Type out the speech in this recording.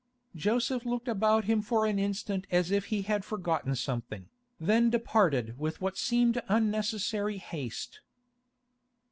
Joseph looked about him for an instant as if he had forgotten something, then departed with what seemed unnecessary haste.